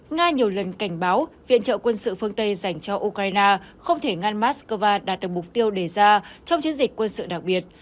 nga nhiều lần cảnh báo viện trợ quân sự phương tây dành cho ukraine không thể ngăn moscow đạt được mục tiêu đề ra trong chiến dịch quân sự đặc biệt